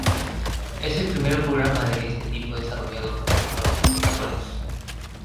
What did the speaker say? Es el primer programa de este tipo desarrollado para microcomputadores.